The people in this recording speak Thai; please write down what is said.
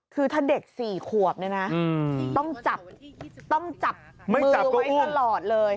คือถ้าเด็กสี่ขวบต้องจับมือไว้ตลอดเลย